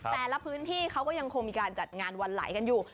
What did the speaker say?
แต่ละพื้นที่เขาก็ยังคงมีการจัดงานวันไหลกันอยู่